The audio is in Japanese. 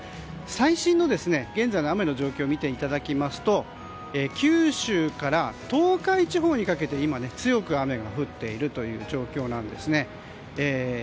最新の現在の雨の状況を見ていただきますと九州から東海地方にかけて今、強く雨が降っている状況です。